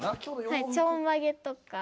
はいちょんまげとか。